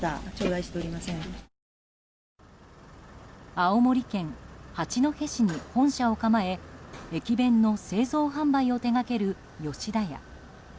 青森県八戸市に本社を構え駅弁の製造・販売を手掛ける吉田屋。